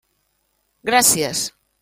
Gràcies.